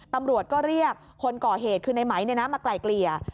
ตำรวจก็เรียกคนก่อเหตุคือในไหมมาไกลเกลี่ย